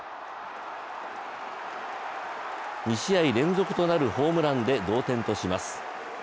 ２試合連続となるホームランで同点とします。